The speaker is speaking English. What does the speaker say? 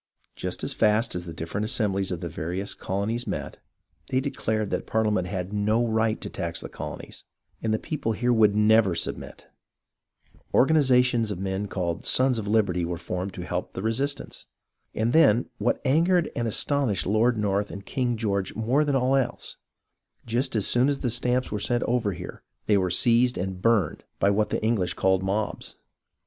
Just as fast as the different assembhes of the various colonies met, they declared that Parliament had no right to tax the colonies and the people here never would sub mit. Organizations of men called Sons of Liberty were formed to help the resistance. And then, what angered and astonished Lord North and King George more than all else, just as soon as the stamps were sent over here, they were seized and burned by what the English called mobs.